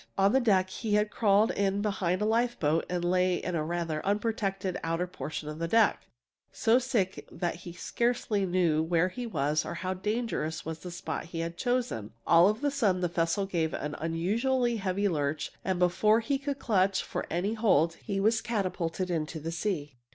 On the deck he crawled in behind a life boat, and lay in a rather unprotected outer portion of the deck, so sick that he scarcely knew where he was or how dangerous was the spot he had chosen. All of a sudden the vessel gave an unusually heavy lurch, and before he could clutch for any hold he was catapulted into the sea.